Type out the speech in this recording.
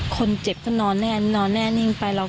คนเจ็บก็นอนแน่นอนแน่นิ่งไป